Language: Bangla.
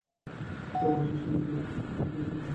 তিনি তাঁর বাসার সামনে ব্যাপক সংখ্যক উত্তেজিত